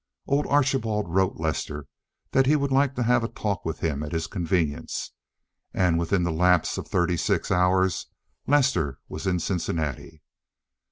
Old Archibald wrote Lester that he would like to have a talk with him at his convenience, and within the lapse of thirty six hours Lester was in Cincinnati.